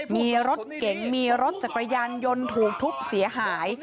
มีรถเก๋งมีรถจักรยานยนต์ถูกทุบเสียหาย